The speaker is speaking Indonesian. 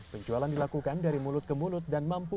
penjualan dilakukan dari mulut ke mulut dan mampu